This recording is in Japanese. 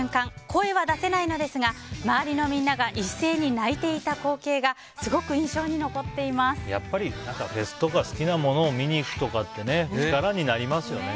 声は出せないのですが周りのみんなが一斉に泣いていた光景がやっぱりフェスとか好きなものを見に行くとかって力になりますよね。